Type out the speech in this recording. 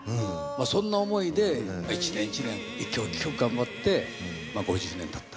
そんな思いで一年一年一曲一曲頑張って５０年たった。